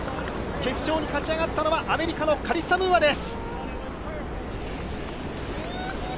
決勝に勝ち上がったのはアメリカのカリッサ・ムーアです。